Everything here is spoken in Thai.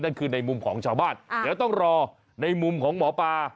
นั่นคือในมุมของชาวบ้านเดี๋ยวต้องรอในมุมของหมอปลา